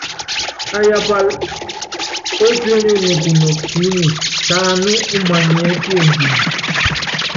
Ayábál ópíónyonyi kunɔk tuúnye tɛ aná umanyɛ́ kiendine.